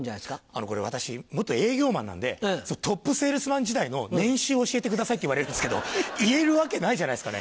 あのこれ私営業マンなんでトップセールスマン時代の年収教えてくださいって言われるんですけど言えるわけないじゃないですかね。